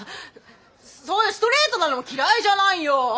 そういうストレートなのも嫌いじゃないよ！